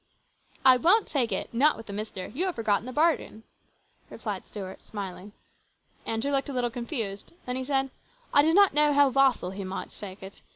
" I won't take it ! not with the ' Mister.' You have forgotten the bargain," replied Stuart, smiling. Andrew looked a little confused ; then he said, " I did not know how Vassall here might take it.